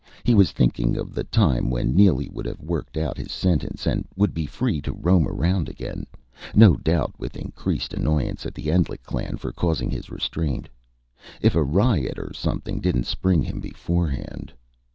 He was thinking of the time when Neely would have worked out his sentence, and would be free to roam around again no doubt with increased annoyance at the Endlich clan for causing his restraint. If a riot or something didn't spring him, beforehand.